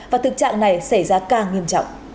và thực trạng này xảy ra càng nghiêm trọng